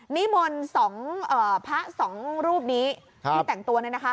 นิมนต์สองพระสองรูปนี้ที่แต่งตัวเนี่ยนะคะ